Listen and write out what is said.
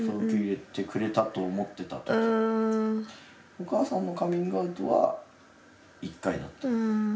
お母さんのカミングアウトは１階だった。